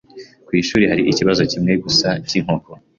Ku ishuri hari ikibazo kimwe gusa cy’inkoko.